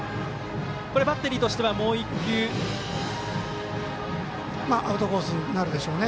バッテリーとしてはもう１球？アウトコースになるでしょうね。